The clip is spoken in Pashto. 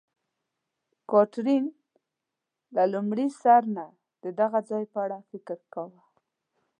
کاترین: ما له لومړي سر نه د دغه ځای په اړه فکر کاوه.